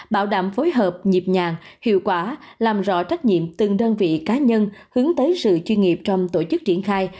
bảo đảm phối hợp nhịp nhàng hiệu quả làm rõ trách nhiệm từng đơn vị cá nhân hướng tới sự chuyên nghiệp trong tổ chức triển khai